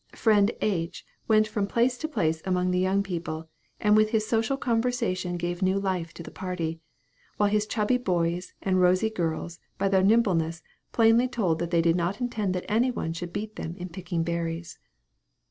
Friend H. went from place to place among the young people, and with his social conversation gave new life to the party while his chubby boys and rosy girls by their nimbleness plainly told that they did not intend that any one should beat them in picking berries.